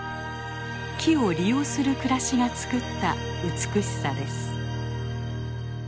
木を利用する暮らしがつくった美しさです。